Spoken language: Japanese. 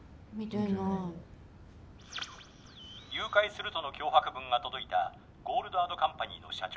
誘拐するとの脅迫文が届いたゴールドアドカンパニーの社長